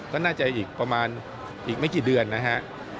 ก็น่าจะอีกประมาณอีกไม่กี่เดือนนะฮะ